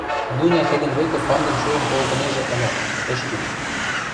Дуня тӹдӹн вӹкӹ пандым шуэн колтынежӹ ылят, ӹш чуч.